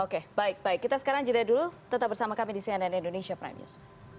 oke baik baik kita sekarang jeda dulu tetap bersama kami di cnn indonesia prime news